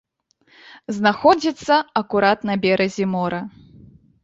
Знаходзіцца акурат на беразе мора.